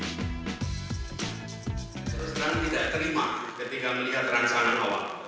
tidak terima ketika melihat rancangan awal